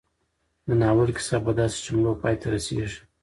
د ناول کيسه په داسې جملو پای ته رسېږي